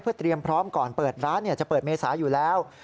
เตรียมพร้อมก่อนเปิดร้านจะเปิดเมษาอยู่แล้ว